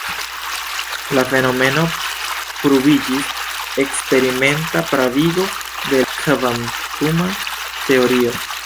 La fenomeno pruviĝis eksperimenta pravigo de la kvantuma teorio.